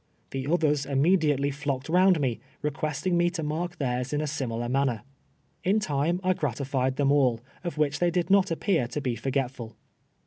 The others immediately Hocked round nie, requestini^ nie to mark theirs in a similar manner. In time, I <i;ratilied them all, of which they did not appear to be fori; etful.